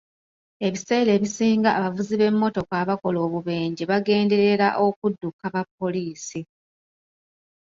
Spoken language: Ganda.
Ebiseera ebisinga abavuzi b'emmotoka abakola obubenje bagenderera okudduka bapoliisi.